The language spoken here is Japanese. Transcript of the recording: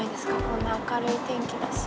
こんな明るい天気だし。